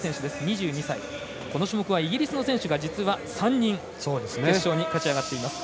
この種目はイギリスの選手が３人、決勝に勝ち上がっています。